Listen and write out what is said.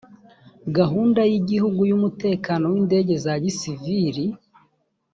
gahunda y igihugu y umutekano w indege za gisiviri